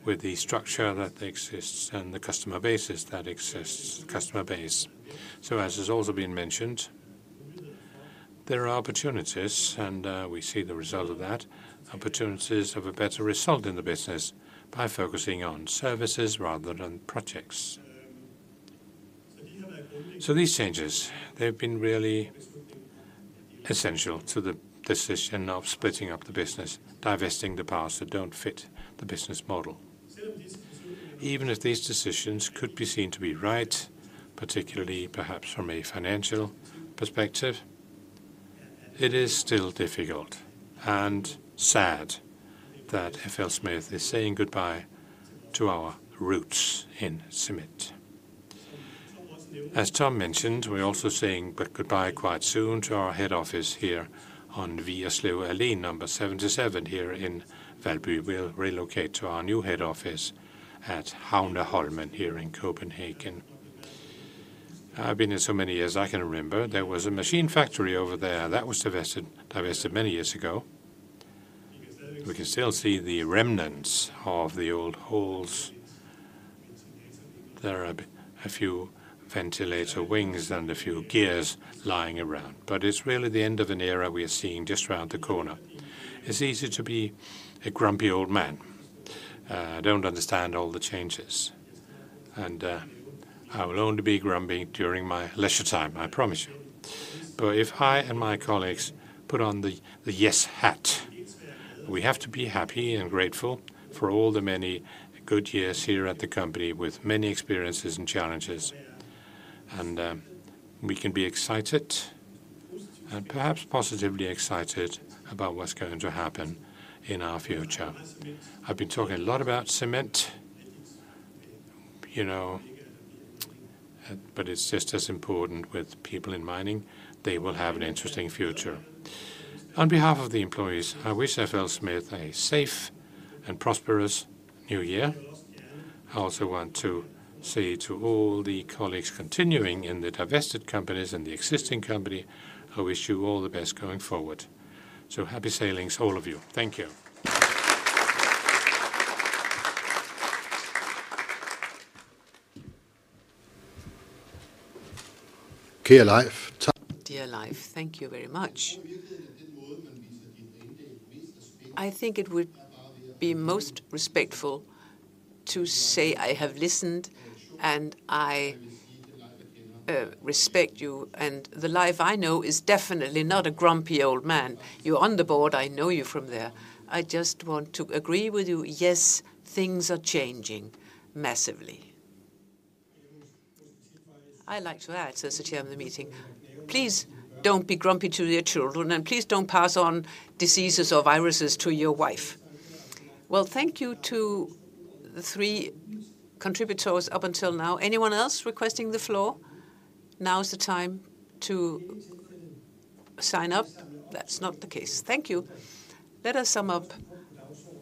Speaker 5: cement with the structure that exists and the customer basis that exists, customer base. As has also been mentioned, there are opportunities, and we see the result of that, opportunities of a better result in the business by focusing on services rather than projects. These changes, they've been really essential to the decision of splitting up the business, divesting the parts that do not fit the business model. Even if these decisions could be seen to be right, particularly perhaps from a financial perspective, it is still difficult and sad that FLSmidth is saying goodbye to our roots in cement. As Tom mentioned, we're also saying goodbye quite soon to our head office here on Vigerslev Allé Number 77 here in Valby. We'll relocate to our new head office at Havneholmen here in Copenhagen. I've been here so many years I can remember. There was a machine factory over there that was divested many years ago. We can still see the remnants of the old halls. There are a few ventilator wings and a few gears lying around. It is really the end of an era we are seeing just around the corner. It's easy to be a grumpy old man. I don't understand all the changes. I will only be grumpy during my leisure time, I promise you. If I and my colleagues put on the yes hat, we have to be happy and grateful for all the many good years here at the company with many experiences and challenges. We can be excited and perhaps positively excited about what's going to happen in our future. I've been talking a lot about cement, but it's just as important with people in mining. They will have an interesting future. On behalf of the employees, I wish FLSmidth a safe and prosperous new year. I also want to say to all the colleagues continuing in the divested companies and the existing company, I wish you all the best going forward. Happy sailings, all of you. Thank you.
Speaker 2: Dear Leif. Dear Leif, thank you very much. I think it would be most respectful to say I have listened and I respect you. The Leif I know is definitely not a grumpy old man. You're on the board. I know you from there. I just want to agree with you. Yes, things are changing massively. I like to add, sir, as Chairman of the meeting, please don't be grumpy to your children and please don't pass on diseases or viruses to your wife. Thank you to the three contributors up until now. Anyone else requesting the floor? Now's the time to sign up. That's not the case. Thank you. Let us sum up.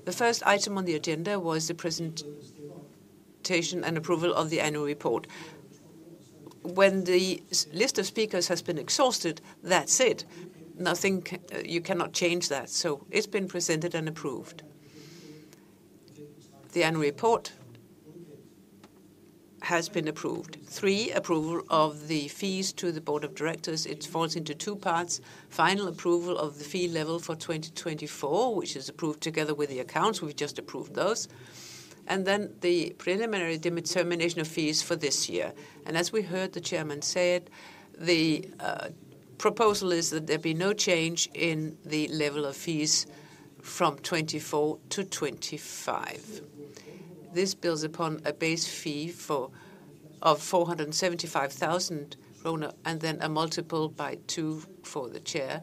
Speaker 2: The first item on the agenda was the presentation and approval of the annual report. When the list of speakers has been exhausted, that's it. You cannot change that. It has been presented and approved. The annual report has been approved. Three, approval of the fees to the board of directors. It falls into two parts. Final approval of the fee level for 2024, which is approved together with the accounts. We've just approved those. The preliminary determination of fees for this year. As we heard the Chairman say it, the proposal is that there be no change in the level of fees from 2024 to 2025. This builds upon a base fee of 475,000 and then a multiple by two for the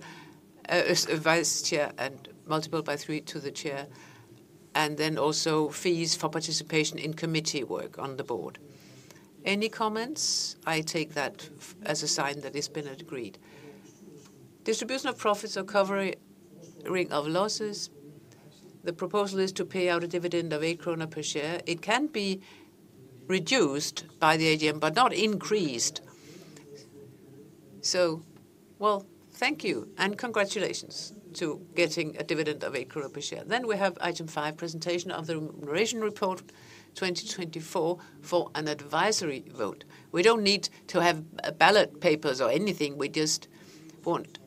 Speaker 2: vice chair, and multiple by three to the chair. There are also fees for participation in committee work on the board. Any comments? I take that as a sign that it's been agreed. Distribution of profits or covering of losses. The proposal is to pay out a dividend of 8 krone per share. It can be reduced by the AGM, but not increased. Thank you and congratulations to getting a dividend of 8 per share. We have item five, presentation of the remuneration report 2024 for an advisory vote. We do not need to have ballot papers or anything. We just want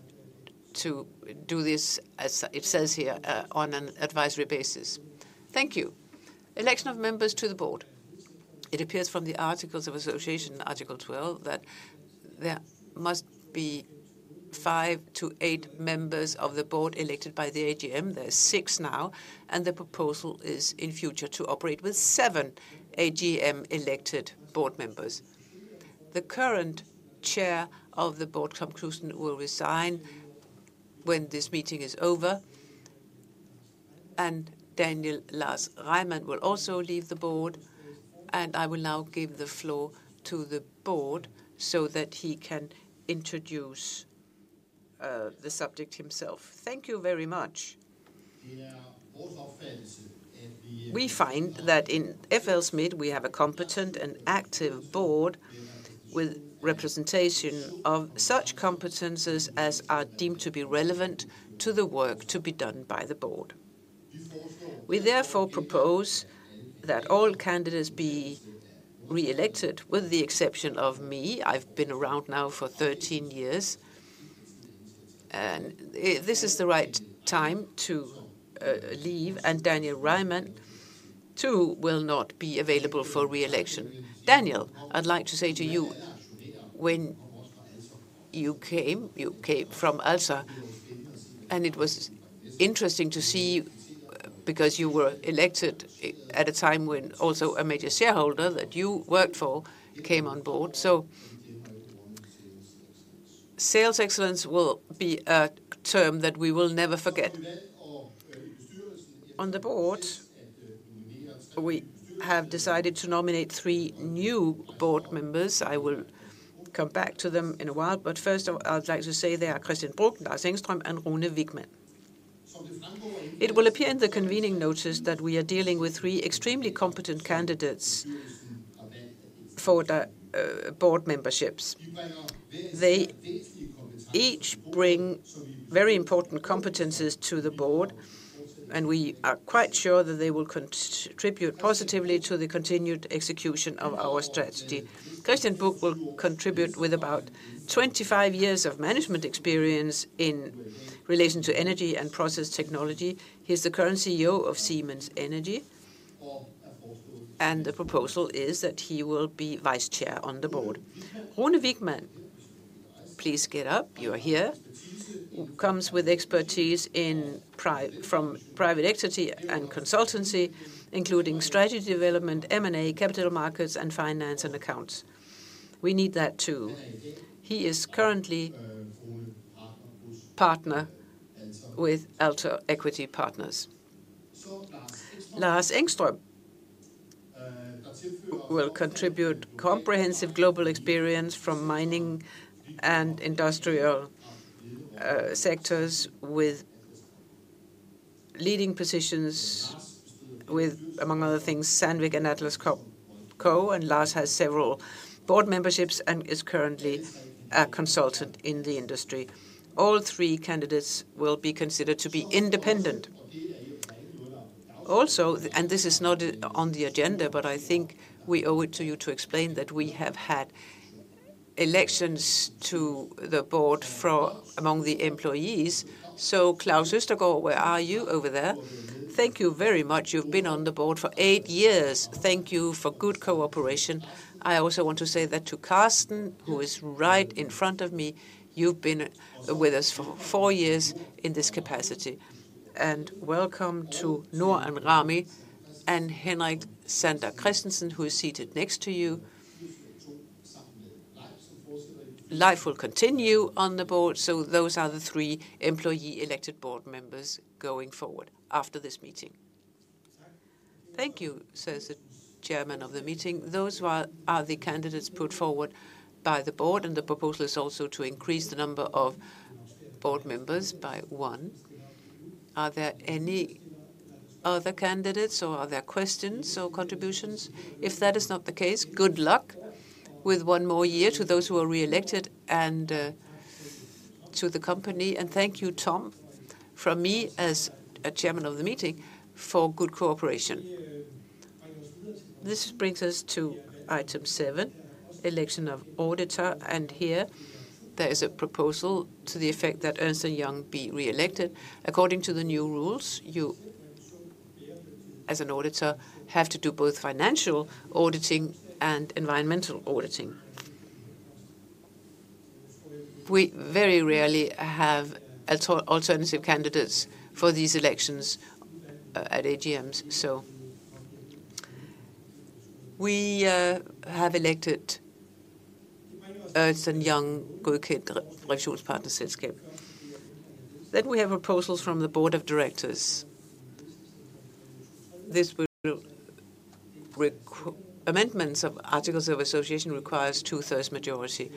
Speaker 2: to do this, as it says here, on an advisory basis. Thank you. Election of members to the board. It appears from the Articles of Association, Article 12, that there must be five to eight members of the board elected by the AGM. There are six now, and the proposal is in future to operate with seven AGM-elected board members. The current Chair of the Board, Tom Knutzen, will resign when this meeting is over. Daniel Lars Reimann will also leave the board. I will now give the floor to the board so that he can introduce the subject himself. Thank you very much. We find that in FLSmidth, we have a competent and active board with representation of such competencies as are deemed to be relevant to the work to be done by the board. We therefore propose that all candidates be re-elected with the exception of me. I've been around now for 13 years. This is the right time to leave. Daniel Reimann too will not be available for re-election. Daniel, I'd like to say to you, when you came, you came from ALSA, and it was interesting to see because you were elected at a time when also a major shareholder that you worked for came on board. Sales excellence will be a term that we will never forget. On the board, we have decided to nominate three new board members. I will come back to them in a while. First, I'd like to say they are Christian Bruch, Lars Engström, and Rune Wiegmann. It will appear in the convening notice that we are dealing with three extremely competent candidates for the board memberships. They each bring very important competencies to the board, and we are quite sure that they will contribute positively to the continued execution of our strategy. Christian Bruch will contribute with about 25 years of management experience in relation to energy and process technology. He's the current CEO of Siemens Energy. The proposal is that he will be vice chair on the board. Rune Wiegmann, please get up. You are here. He comes with expertise from private equity and consultancy, including strategy development, M&A, capital markets, and finance and accounts. We need that too. He is currently a partner with ALSA Equity Partners. Lars Engström will contribute comprehensive global experience from mining and industrial sectors with leading positions, among other things, Sandvik and Atlas Copco. Lars has several board memberships and is currently a consultant in the industry. All three candidates will be considered to be independent. Also, this is not on the agenda, but I think we owe it to you to explain that we have had elections to the board among the employees. Klaus Østergaard, where are you over there? Thank you very much. You have been on the board for eight years. Thank you for good cooperation. I also want to say that to Carsten, who is right in front of me. You have been with us for four years in this capacity. Welcome to Noor Anraoui and Henrik Sander Christensen, who is seated next to you. Leif will continue on the board. Those are the three employee-elected board members going forward after this meeting. Thank you, sir, the Chairman of the meeting. Those are the candidates put forward by the board. The proposal is also to increase the number of board members by one. Are there any other candidates or are there questions or contributions? If that is not the case, good luck with one more year to those who are re-elected and to the company. Thank you, Tom, from me as Chairman of the meeting for good cooperation. This brings us to item seven, election of auditor. Here, there is a proposal to the effect that Ernst & Young be re-elected. According to the new rules, you, as an auditor, have to do both financial auditing and environmental auditing. We very rarely have alternative candidates for these elections at AGMs. We have elected Ernst & Young, Goethe Kindred Rekschulspartnerselskab. We have proposals from the board of directors. This would require amendments of Articles of Association, requires two-thirds majority.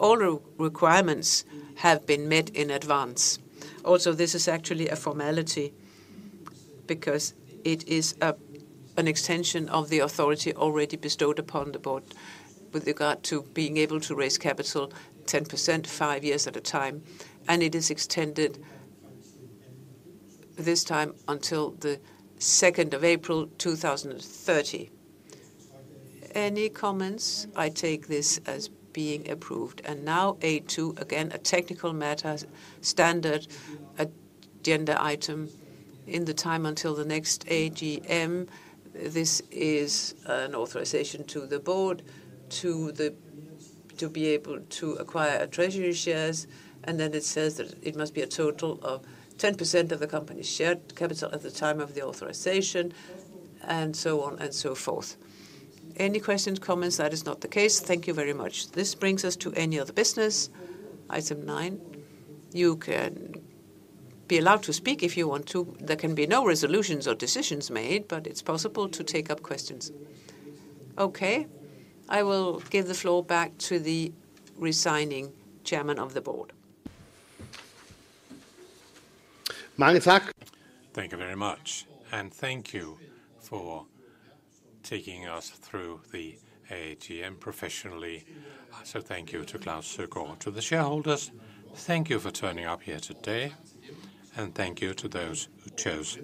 Speaker 2: All requirements have been met in advance. Also, this is actually a formality because it is an extension of the authority already bestowed upon the board with regard to being able to raise capital 10% five years at a time. It is extended this time until the 2nd of April 2030. Any comments? I take this as being approved. Now A2, again, a technical matter, standard agenda item in the time until the next AGM. This is an authorization to the board to be able to acquire treasury shares. Then it says that it must be a total of 10% of the company's share capital at the time of the authorization and so on and so forth. Any questions, comments? That is not the case. Thank you very much. This brings us to any other business, item nine. You can be allowed to speak if you want to. There can be no resolutions or decisions made, but it is possible to take up questions. Okay. I will give the floor back to the resigning Chairman of the Board.
Speaker 1: Thank you very much. Thank you for taking us through the AGM professionally. Thank you to Klaus Østergaard, to the shareholders. Thank you for turning up here today. Thank you to those who chose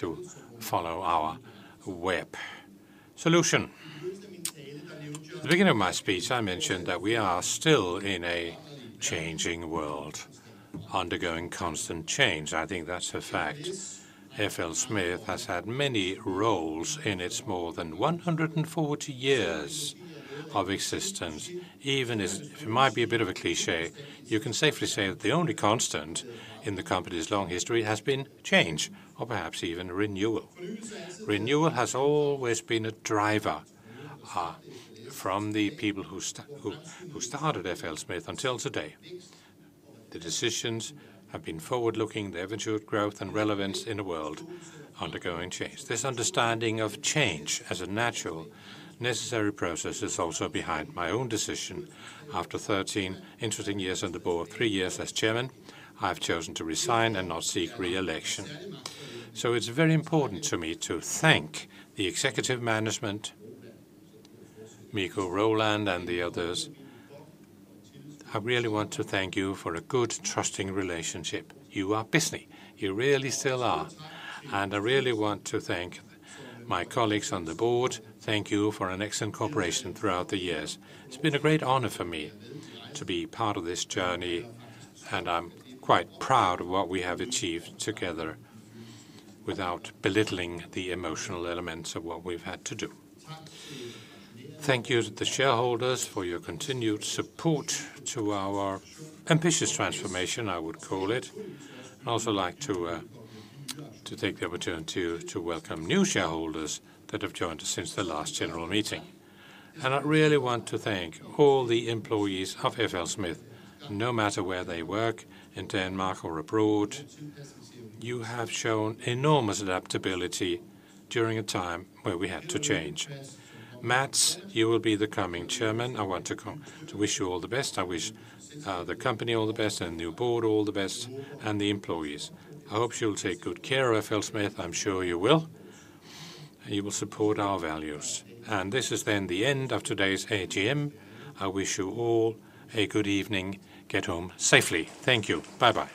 Speaker 1: to follow our WEPP solution. At the beginning of my speech, I mentioned that we are still in a changing world, undergoing constant change. I think that's a fact. FLSmidth has had many roles in its more than 140 years of existence. Even if it might be a bit of a cliché, you can safely say that the only constant in the company's long history has been change or perhaps even renewal. Renewal has always been a driver from the people who started FLSmidth until today. The decisions have been forward-looking, the eventual growth and relevance in a world undergoing change. This understanding of change as a natural necessary process is also behind my own decision. After 13 interesting years on the board, three years as Chairman, I've chosen to resign and not seek re-election. It is very important to me to thank the executive management, Mikko, Roland, and the others. I really want to thank you for a good, trusting relationship. You are business. You really still are. I really want to thank my colleagues on the board. Thank you for an excellent cooperation throughout the years. It's been a great honor for me to be part of this journey, and I'm quite proud of what we have achieved together without belittling the emotional elements of what we've had to do. Thank you to the shareholders for your continued support to our ambitious transformation, I would call it. I'd also like to take the opportunity to welcome new shareholders that have joined us since the last general meeting. I really want to thank all the employees of FLSmidth, no matter where they work in Denmark or abroad. You have shown enormous adaptability during a time where we had to change. Mats, you will be the coming chairman. I want to wish you all the best. I wish the company all the best and the new board all the best and the employees. I hope you'll take good care of FLSmidth. I'm sure you will. You will support our values. This is then the end of today's AGM. I wish you all a good evening. Get home safely. Thank you. Bye-bye.